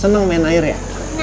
seneng main air ya